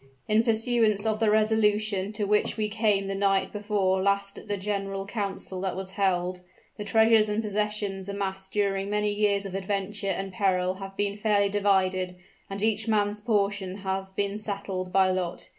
In pursuance of the resolution to which we came the night before last at the general council that was held, the treasures and possessions amassed during many years of adventure and peril have been fairly divided, and each man's portion has been settled by lot.